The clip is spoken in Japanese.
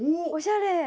おしゃれ！